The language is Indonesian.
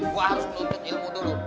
gue harus nuntut ilmu dulu